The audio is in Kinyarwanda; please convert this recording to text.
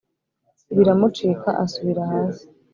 biramucika asubira hasi